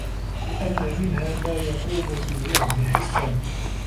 لِأَنَّ مِنْهَا مَا يَقُومُ فِي الْوَهْمِ حِسًّا